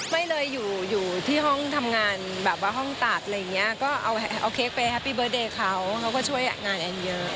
ไม่เลยอยู่ที่ห้องทำงานแบบว่าห้องตัดอะไรอย่างนี้ก็เอาเค้กไปแฮปปี้เบิร์ตเดย์เขาเขาก็ช่วยงานแอนเยอะ